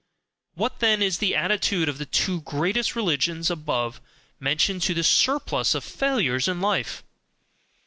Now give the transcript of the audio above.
What, then, is the attitude of the two greatest religions above mentioned to the SURPLUS of failures in life?